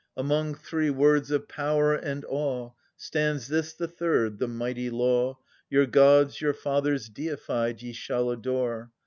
Among three words of power and awe. Stands this, the third, the mighty law — Your gods ^ your fathers deified. Ye shall adore.